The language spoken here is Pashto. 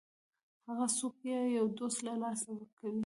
هغه څوک چې یو دوست له لاسه ورکوي.